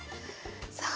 さあ